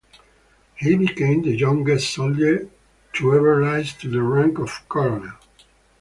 He became the youngest soldier to ever rise to the rank of Colonel.